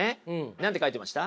何て書いてました？